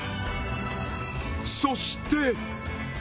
そして。